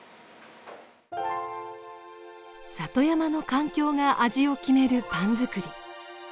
里山の環境が味を決めるパン作り。